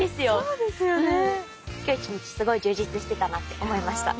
今日１日すごい充実してたなって思いました。